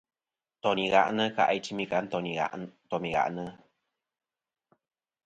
Ntoyn i gha'nɨ kà' a i timi kɨ a ntom i gha'nɨ.